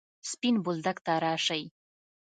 سپين بولدک ته راسئ!